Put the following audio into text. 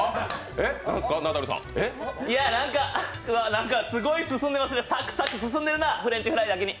なんかすごい進んでますね、サクサク進んでるな、フレンチフライだけに。